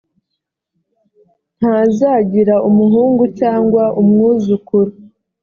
ntazagira umuhungu cyangwa umwuzukuru